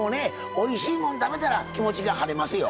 おいしいもん食べたら気持ちが晴れますよ。